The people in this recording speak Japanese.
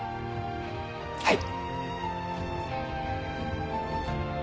はい。